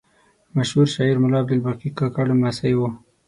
مشهور شاعر ملا عبدالباقي کاکړ لمسی و.